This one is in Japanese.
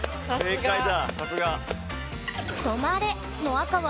さすが。